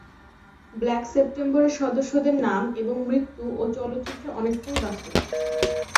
Black September এর সদস্যদের নাম এবং মৃত্যুও চলচ্চিত্রে অনেকটাই বাস্তবিক।